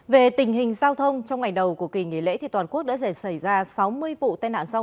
về tình hình giao thông trong ngày đầu của kỳ nghỉ lễ toàn quốc đã xảy ra sáu mươi vụ tai nạn giao